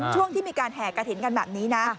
ช่วงที่มีการแห่กระถิ่นกันแบบนี้นะ